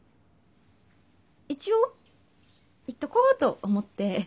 一応言っとこうと思って。